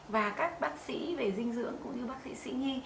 và các bác sĩ về dinh dưỡng cũng như bác sĩ sĩ nhi